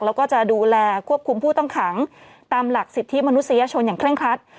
แล้วก็จะดูแลควบคุมผู้ต้องขังตามหลักสิทธิมนุษยชนอย่างเร่งครัด